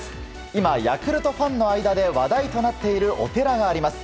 今ヤクルトファンの間で話題になっているお寺があります。